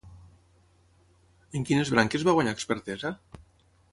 En quines branques va guanyar expertesa?